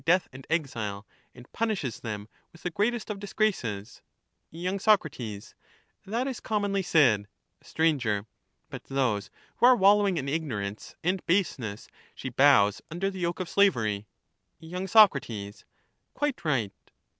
death and exile, and punishes them with the greatest of disgraces. Y, Sac. That is commonly said. 309 Sir. But those who are wallowing in ignorance and base and enslave ness she bows under the yoke oTsIavery. ^t^^ y. Soc. Quite right.